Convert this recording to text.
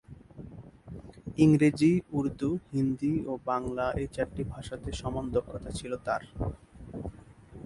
ইংরেজি, উর্দু, হিন্দি ও বাংলা এই চারটি ভাষাতে সমান দক্ষতা ছিল তার।